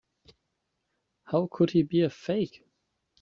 How could he be a fake?